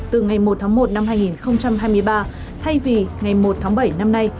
từ ngày một tháng một năm hai nghìn hai mươi ba thay vì ngày một tháng bảy năm nay